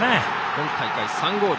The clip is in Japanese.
今大会３ゴール。